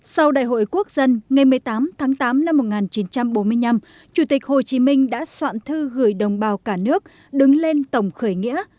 sau đại hội quốc dân ngày một mươi tám tháng tám năm một nghìn chín trăm bốn mươi năm chủ tịch hồ chí minh đã soạn thư gửi đồng bào cả nước đứng lên tổng khởi nghĩa